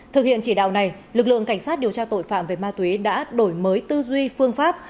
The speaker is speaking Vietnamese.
thực hiện chỉ đạo này lực lượng cảnh sát điều tra tội phạm về ma túy đã đổi mới tư duy phương pháp